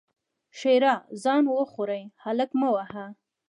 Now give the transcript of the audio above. ښېرا: ځان وخورې؛ هلک مه وهه!